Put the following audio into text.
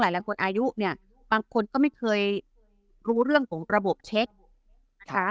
หลายคนอายุเนี่ยบางคนก็ไม่เคยรู้เรื่องของระบบเช็คนะคะ